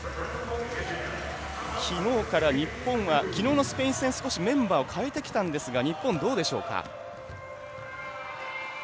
きのうから日本はきのうのスペイン戦メンバーをかえてきたんですが日本はどうでしょうか。